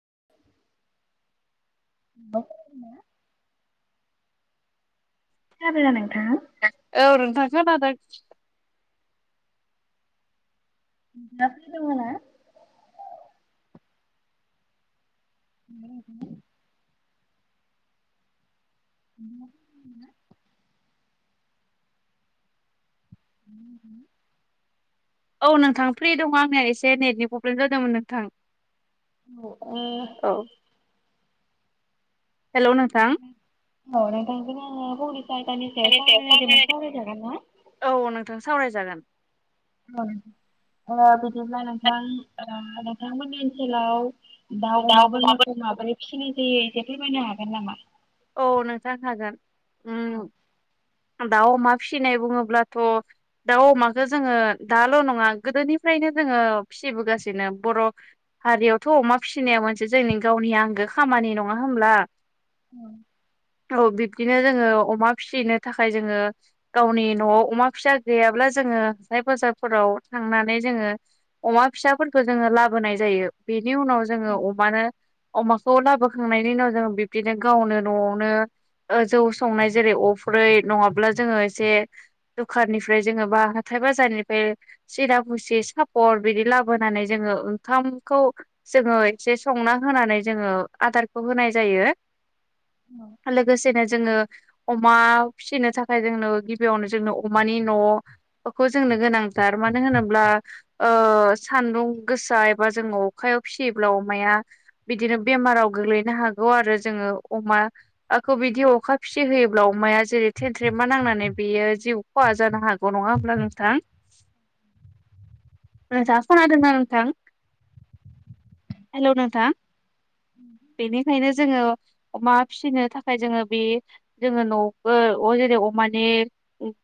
[unintelligible] [unintelligible] औ नोंथां खोनादों। नोंथाङा फ्रि दङ ना? औ नोंथां फ्रि दङ आंनिया एसे नेटनि प्रब्लेम जादोंमोन नोंथां। औ [unintelligible] हेल' नोंथां! औ नोंथांजों आङो फंनैसो आयदानि सायाव सारायनायदोमोन सावराय जागोन ना? औ नोंथां सावरायजागोन। ओ बिदिब्ला नोंथां नोंथांमोननि ओनसोलाव दाउ, अमा, बोरमाखौ माबोरै फिसिनाय जायो एसे फोरमायनो हागोन नामा? औ नोंथां हागोन। औ। उम दाउ अमा फिसिनाय बुङोब्लाथ' दाउ अमाखौ जोङो दाल' नङा गोदोनि फ्रायनो जोङो फिसिबोगासिनो बर' हारियावथ' अमा फिसिनाया मोनसे जोंनि गावनि आंगो खामानि नङा होनब्ला? औ बिब्दिनो जोङो अमा फिसिनो थाखाय जोङो गावनि न'आव अमा फिसा गैयाब्ला जोङो हाथाय बाजारफोराव थांनानै जोङो अमा फिसाफोरखौ जोङो लाबोनाय जायो। बेनि उनाव जोङो अमानो अमाखौ लाबोखांनायनि उनाव जोङो बिब्दिनो गावनो न'आवनो जौ संनाय जेरै अफ्रै नङाब्ला जोङो एसे दुखाननिफ्राय जोङो बा हाथाय बाजारनिफ्राइ सिरा फसिस, सापर बिदि लाबोनानै जोङो ओंखामखौ जोङो एसे संना होनानै जोङो आदारखौ होनाय जायो। लोगोसेनो जोङो अमा फिसिनो थाखाय जोंनो गिबियावनो जोंनो अमानि न'फोरखौ जों गोनांथार मानो होनोब्ला ओ सान्दुं गोसा एबा जों अखायाव फिसियोब्ला अमाया बिदिनो बेमाराव गोग्लैनो हागौ आरो जोङो अमाखौ बिदि अखा फिसि होयोब्ला अमाया जेरै थेनथ्रेमा नांनानै बेयो जिउ खहा जानो हागौ नङा होमब्ला नोंथां? [inaudible] नोंथाङा खोनादोंना नोंथां? हेलौ नोंथां। बेनिखायनो जोङो अमा फिसिनो थाखाय जोङो बे जोङो न'बो अ जेरै अमानि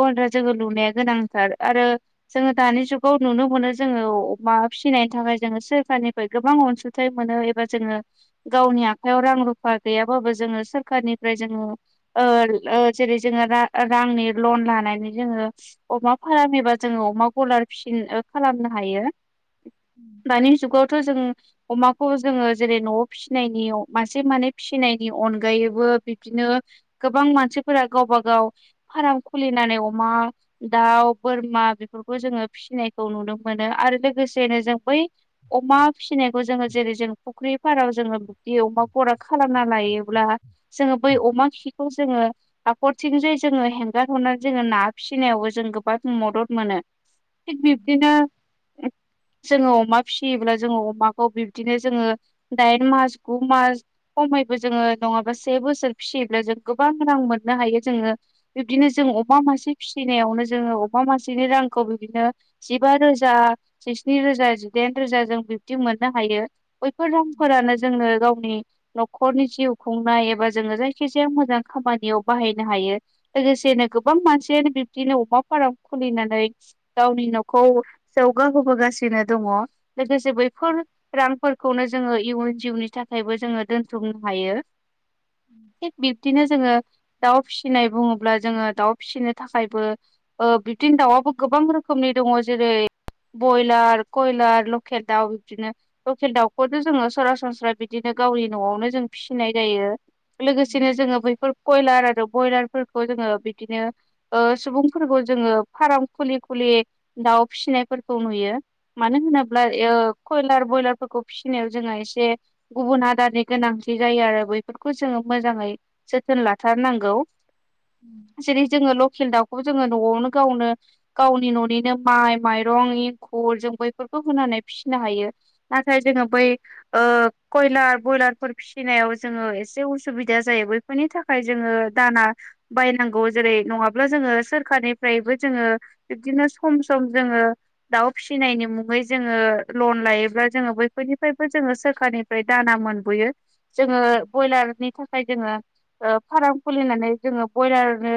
गनद्रा जोङो लुनाया गोनांथार आरो जोङो दानि जुगाव नुनो मोनो जोङो अमा फिनो नायनि थाखाय जोङो सोरखारनिफ्राय गोबां अनसुंथाइ मोनो एबा जोङो गावनि आखायाव रां रुप पा गैयाबाबो जोङो सोरखारनिफ्राय जोङो ओर ओ जेरै जोङो रा-रांनि लन लानानै जोङो अमा फारामनिबा जोङो अमा गलार फिनो ओ खालामनो हायो। दानि जुगावथ' जों अमाखौ जोङो जेरै न'आव फिसिनायनियाव मासे मानै फिसिनायनि अनगायैबो बिबदिनो गोबां मानसिफोरा गावबा गाव फार्म खुलिनो फिनानै अमा दाउ बोरमा बेफोरखौ जोङो फिसिनायखौ नुनो मोनो आरो लोगोसेनो जों बै अमा फिसिनायखौ जोङो जेरै जों फुख्रि फाराव जोङो [unintelligible] खालामना लायोब्ला जोङो बै अमा खिखौ जोङो हाखरथिं जे जोङो हेंगार हर नो जोङो ना फिसिनायावबो जों गोबां मदद मोनो थिग बिब्दिनो जोङो अमा फिसियोब्ला जोङो अमाखौ बिब्दिनो जोङो दाइन मास गु मास खमैबो जोङो नङाबा से बोसोर फिसियोब्ला जों गोबां रां मोननो हायो जोङो बिबदिनो जों अमा मासे फिसिनायावनो जोङो अमा मासेनि रांखौ बिबदिनो जिबा रोजा स्नि रोजा जिदाइन रोजा जों बिबदि मोननो हायो बैफोर रांफोरानो जोंनो गावनि न'खरनि जिउ खुंनाय एबा जोङो जायखिजाया मोजां खामानियाव बाहायनो हायो। लोगोसेनो गोबां मानसियानो बिब दिनो अमा फार्म खुलिनानै गावनि न'खौ जौगाहोबोगासिनो दङ। लोगोसे बैफोर रांफोरखौनो जोङो इयुन जिउनि थाखायबो जोङो दोनथुमनो हायो। थिग बिबदिनो जोङो दाउ फि फिनाय बुङोब्ला जोङो दाउ फिसिनो थाखायबो ओ बिब्दिनो दाउआबो गोबां रोखोमनि दङ जेरै बयलार कयलार लकेल दाउ बिबदिनो लकेल दाउखौथ' जोङो सरासनस्रा बिदि गावनि न'आवनो जों फिसिनाय जायो लोगोसेनो जोङो बैफोर कयलार आरो बयलारफोरखौ जोङो बिदिनो ओ सुबुंफोरखौ जोङो फार्म खुलि खुलि दाउ दाउ फिसिनायफोरखौ नुयो। मानो होनोब्ला ओ कयलार बयलारफोरखौ फिसिनायाव जोङो एसे गुबुन आदारनि गोनांथि जायो आरो बैफोरखौ जोङो मोजाङै जोथोन लाथारनांगौ। जेरै जोङो ल' खेल दाउखौबो जोङो न'आवनो गावनो गावनि न'निनो माइ माइरं एंखुर जों बैफोर खौ होनानै फिसिनो हायो नाथाय जोङो बै ओ कयलार बयलारफोर फिसिनायाव जोङो एसे उसुबिदा जायो बैफोरनि थाखाय जोङो दाना बायनांगौ जेरै नङाब्ला जोङो सोरखारनिफ्रायबो जोङो बिब्दिनो सम सम जोङो दाउ फिसिनायनि मुङै जोङो लन लायोब्ला जोङो बैफोरनिफ्रायबो जोङो सोरखारनि फ्राय दाना मोनबोयो जोङो बयलारनि थाख खाय जोङो ओ फार्म खुलिनानै जोङो बयलारनो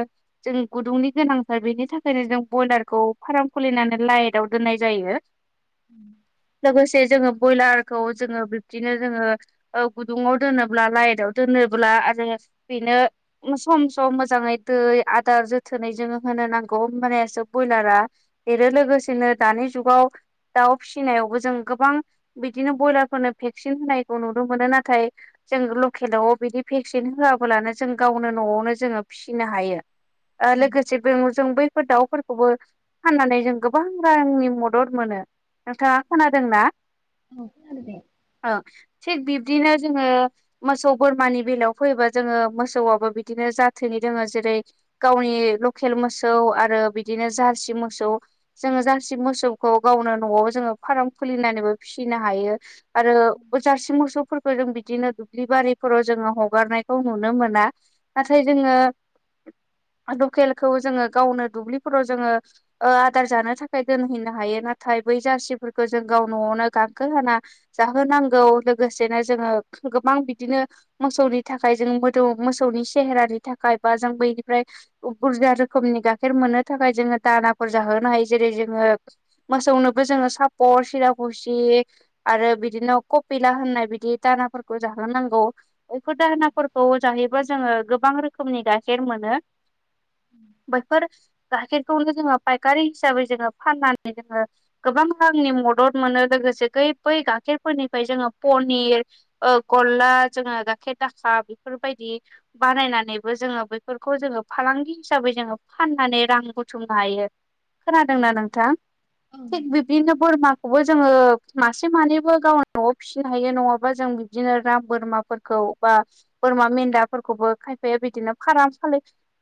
जों गुदुंनि गोनांथार बेनि थाखाय थाखायनो जों बयलारखौ फार्म खुलिनानै लाइटआव दोननाय जायो। लोगोसे जोङो बयलारखौ जोङो बेब दिनो जोङो ओ गुदुङाव दोनोब्ला लाइटआव दोनोब्ला आरो बेनो सम सम मोजाङै दै आदार जोथोनै जोङो होनो नांगौ होबानियासो बयलारा देरो। लोगोसेनो दानि जुगाव दाउ फिसिनायावबो जों गोबां बिदिनो बयलारफोरनो भेक्सिन होनायखौ नुनो मोनो नाथाय जों लकेलाव बिदि भेक्सिन होआब्लानो जों गावनो न'आवनो जोङो फिसिनो हायो ओ लोगोसे बे जों बै फोर दाउफोरखौबो फाननानै जों गोबां रांनि मदद मोनो नोंथाङा खोनादोंना खोनादों दे। औ थिग बिब्दिनो जोङो मोसौ बोरमानि बेलायाव फैयोबा जोङो मोसौआबो बिदिनो जाथोनि दोङो जेरै गावनि लकेल मोसौ आरो बिदिनो जार्सि मोसौ जोङो जारसि मोसौखौ गावनो न'आव जों ओ फार्म खुलिनानैबो फिसिनो हायो आरो जार्सि मोसौफोरखौ फोरों बिदिनो दुब्लि बारिफोराव जोङो हगारनायखौ नुनो मोना नाथाय जोङो [inaudible] लकेलखौ जोङो गावनो दुब्लिफोराव जोङो ओ आदार जानो थाखाय दोनहैनो हायो नाथाय नाथाय बै जारसिफोरखौ जों गाव न'आवनो गांखो होना जाहोनांगौ लोगोसेनो जोङो गोबां बिदिनो मोसौनि थाखाय जों मोदौ मोसौ नि सेहेरानि थाखाय बा जों बैनिफ्राय बुरजा रोखोमनि गाइखेर मोननो थाखाय जों दाना फो जाहोनो हायो जेरै जोङो मोसौनोबो जोंङो साफर सिरा बुसि आरो‌ बिदिनो कफिला होननाय बिदि दाफोरखौ जाहांगौ बेफोर दाहोनाफोरखौ जाहो जोङो गोबां रोखोमनि गाइायेर मोनो बैफोर गाइखेरखौनो जोङो फायखारि हिसाबै जोङो फाननानै जोङो गोबां रांनि मदद मोनो [unintelligible] गाइखेरफोरनिफ्राय जोङो पनिर ओ गल्ला जोङो गाइखेर दाखा बेफोर बायदि बानायनानैबो जोङो बेफोरखौ जोङो फालांगि हिसाबै जोङो फाननानै रां बुथुमनो हायो खोनादोंना नोंथां थिग बिब्दिनो बोरमाखौबो जोङो मासे मानैबो गाव न'आव फिसिनो हायो नङाबा जों बिदिनो राम बोरमाफोरखौ बा बोरमा मेन्दाफोरखौबो खायफाया बिदिनो फाराम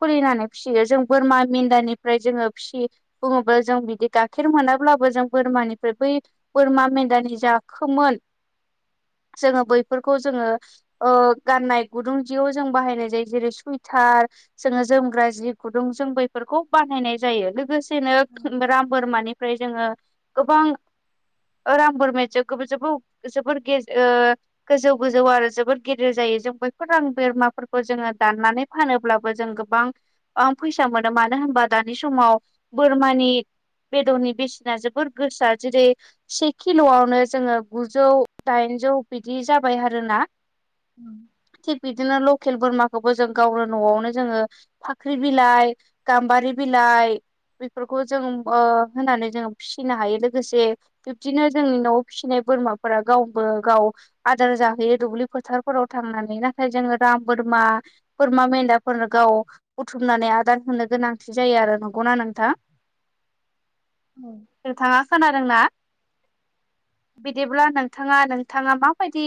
खुलिनानै फिसियो जों बोरमा मेन्दानिफ्राय जोङो फिसियो बुङोब्ला जों बिदि गाइखेर मोनाब्लाबो जों बोरमानिफ्राय बै बोरमा मेन्दानि जा खोमोन [inaudible] जोङो बैफोरखौ जोङो ओ गाननाय गुदुं जियाव जों बाहायनाय जायो जेरै सुइटार जोङो जोमग्रा जि गुदुं जों बैफोरखौ बानायनाय जायो लोगोसे नो औ राम बोरमानिफ्राय जोङो गोबां राम बोरमा जोबोर ओ गोजौ गोजौ आरो जोबोर गेदेर जायो जों बयखौबो राम बेरमा फोरफोरखौ जोङो दाननानै फानोब्लाबो जों गोबां फैसा मोनो मानो होनबा दानि समाव बोरमानि बेदरनि बेसेना जोबोर गोसा जेरै से किल'आवनो जोङो गुजौ दाइनजौ बिदि जाबाय आरोना थिग‌ बिदिनो खेल बोरमाखौबो जों गावनो न'आवनो जोङो फाख्रि बिलाइ गाम्बारि बिलाइ बेफोरखौ जों ओ होनानै जों फिसिनो हायो लोगोसे बिब्दिनो जोंनि न' फिसिनाय बोरमाफोरा गावबो गाव आदार जाहैयो दुब्लि फोथारफोराव थांनानै नाथाय जोङो दा राम बोरमा बोरमा मेन्दाफोरनो गाव बुथुमनानै आदार होनो गोनांथि जायो आरो नंगौ ना मा नोंथां [inaudible] नोंथाङा खोनादों ना बिदिब्ला नोंथाङा नोंथाङा मा मा बायदि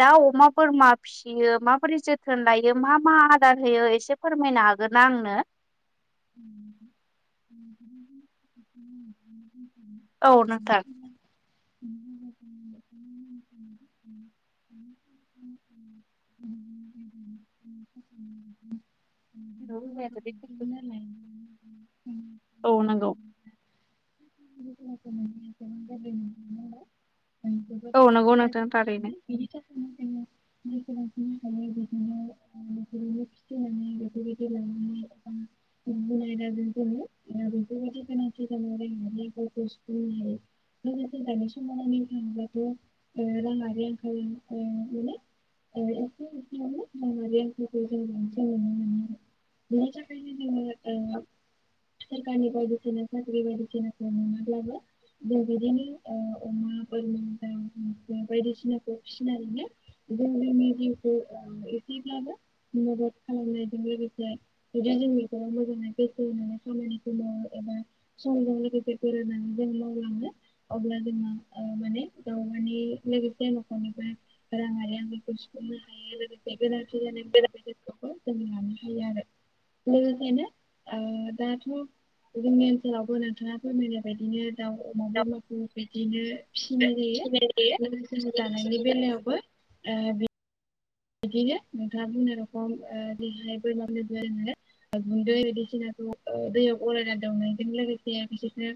दाउ अमा बोरमा फिसियो माबोरै जोथोन लायो मा मा आदार होयो एसे फोरमायनो हागोन ना आंनो [inaudible] औ नोंथां [unintelligible] औ नंगौ [unintelligible] औ नंगौ नोंथां थारैनो [unintelligible] [unintelligible] [unintelligible] लोगोनि समाव थाङोबाथ' राङारि ओं माने [unintelligible] जों ओ सोरकारनि बायदिसिना साख्रि बायदिसिना नङाब्लाबो दा बिदिनो ओ अमा बोरमा दा बायदिसिनाखौ फिनो आरोना जनि जि एसेब्लाबो मदद खालामनायजों लोगोसे जदि जों मोजाङै गोसो होनानै खामानिखौ मावो एबा समजों लोगोसे बेरायनानै जों मावलाङो अब्ला जोङो ओ माने ओ गाव गावनि लोगोसे न'खरनिफ्राय राङारि आंखालखौ हायो लोगोसे बेलारथि जानाय मुवा बेदादखौबो जों लानो हायो आरो लोगोसेनो ओ दाथ' जोंनि ओनसोलावबो नोंथाङा फोरमायनाय बायदिनो दाउ अमा बोरमाफोर बिदिनो फिसिनाय जायो लोगो लोगोसे जानायनि बेलायावबो ओ बे बिदिनो नोंथाङा गुबुन रखम देहायफोर माबबो आरो नालाय [unintelligible] बायदिसिनाखौ ओ दैयाव गलायनानै दौनायजों लोगोसे बिसोरनो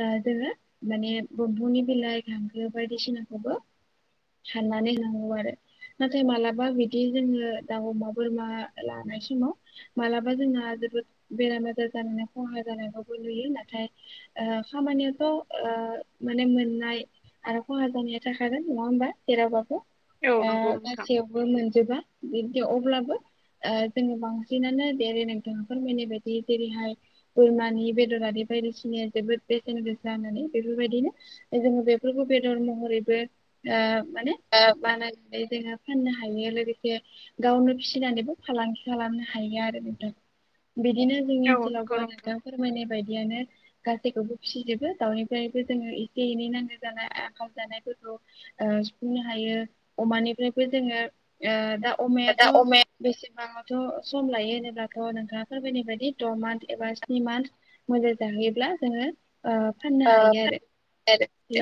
ओ जोङो माने बमफं'नि बिलाइ गांखो बायदिसिनाखौबो साननानै लानांगौ आरो नाथाय माला- बा बिदि जोंनो दाउ, अमा, बोरमा लानाय समाव मालाबा जोङो बे [unintelligible] नुयो नाथाय खामानियाथ' ओ मोननाय आरो खहा जानाया थाखागोन नङा होमबा जेरावबाबो औ नगौ नोंथां जोबा बिदि अब्लाबो ओ जोङो बांसिनानो देरै नोंथाङा फोरमायनाय बायदि जेरैहाय बोरमानि बेदरारि बायदिसिनाया जोबोद बेसेन बे जानानै बेफोरबायदिनो जोङो बेफोरखौ बेदर महरैबो ओ माने मा होनाय [unintelligible] जोङो फाननो हायो लोगोसे गावनो फिसिनानैबो फालांगि खालामनो हायो आरो बेखौ बिदिनो जोंनि औ ओनसोलावबो नंगौ नोंथां फोरमायनाय बायदियानो गासैखौबो फिसिजोबो दाउनिफ्रायबो जोङो एसे- एनै नांगौ जानाय आंखाम जानायफोरखौ ओ सुफुंनो हायो अमानिफ्राय- बो जोङो ओ दा दा अमायाथ' अमाया बेसेबाङावथ' सम लायो होनोब्लाथ' नोंथाङा फोरबायनाय बायदि द' मान्थ एबा स्नि मान्थ मोजां जाहैयोब्ला जोङो ओ फाननो ओ हायो आरो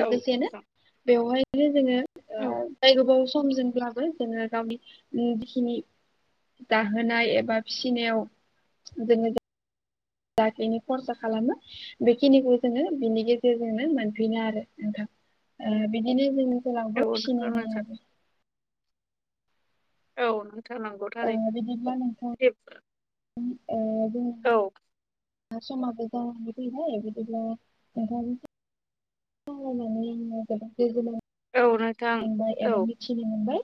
औ नोंथां बेवहायनो जोङो ओ औ गोबाव सम जों [unintelligible] जाहोनाय एबा फिसिनायाव जोङो लाखैनो खरसा खालामो बेखिनिखौ जोङो बिनि गेजेरजोंनो मोनफिनो आरो नोंथां ओ बिदिनो जोंनि जेरावबो औ नंगौ फिसिनाय नोंथां आरो औ नंगौ ओ थारैनो बिदिब्ला नोंथां ओ औ मा सममाबो जालां बाय बिदिब्ला नोंथां [unintelligible] औ नोंथां मोनबाय औ एबा मिथिनो मोनबाय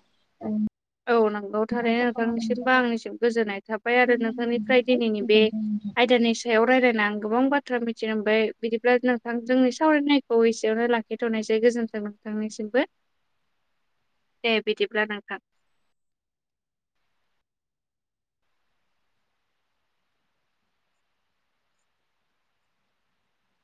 [inaudible] औ नंगौ थारै आसा खालामो नोंथांनिसिमबो नोंथांखौ आंनिसिम गोजोननाय थाबाय आरो फिन लोगो नोंथांनिफ्राय मोनगोन दिनैनि बे गोजोनथों नोंथां। आयदानि सायावा रायलायना आं गोबां बाथ्रा मिथिलांबाय बिदिब्ला नोंथां जोंनि सावरायनायखौ एसेयावनो लाखिथ'नायसै गोजोन्थों नोंथांनिसिमबो [inaudible] दे बिदिब्ला नोंथां